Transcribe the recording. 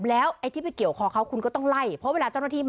แล้วไอ้ที่ไปเกี่ยวคอเขาคุณก็ต้องไล่เพราะเวลาเจ้าหน้าที่มา